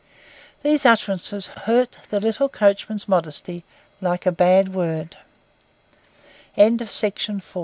These utterances hurt the little coachman's modesty like a bad word. THE SICK MAN One